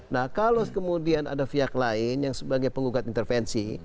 nah kalau kemudian ada pihak lain yang sebagai penggugat intervensi